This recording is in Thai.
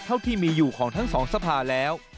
เท่าที่มีอยู่ของทั้งสองสภาแล้ว